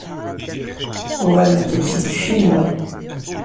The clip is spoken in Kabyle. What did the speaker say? Uɣalent-d seg Ccinwa.